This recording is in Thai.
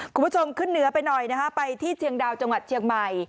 คุณผู้ชมขึ้นเหนือไปหน่อยนะฮะไปที่เชียงดาวจังหวัดเชียงใหม่